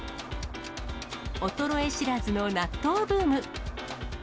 衰え知らずの納豆ブーム。